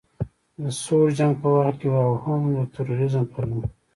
د سوړ جنګ په وخت کې او هم د تروریزم په نوم